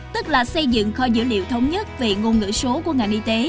tức là xây dựng kho dữ liệu thống nhất về ngôn ngữ số của ngành y tế